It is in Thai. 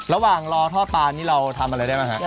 ระหว่างรอทอดปลานี่นี่เราทำอะไรได้ไหมคะ